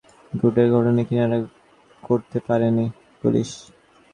গেল সপ্তাহে গলা কেটে দুই যুবককে খুনের ঘটনার কিনারা করতে পারেনি পুলিশ।